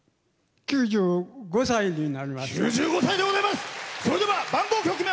９５歳になりました。